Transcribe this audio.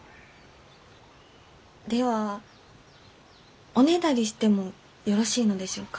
ではおねだりしてもよろしいのでしょうか？